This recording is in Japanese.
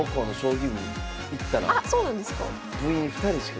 あっそうなんですか？